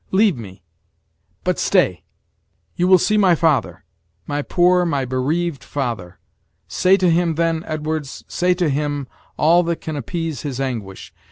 leave me but stay! You will see my father! my poor, my bereaved father! Say to him, then, Edwards, say to him, all that can appease his anguish.